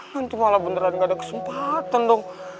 hantu malah beneran gak ada kesempatan dong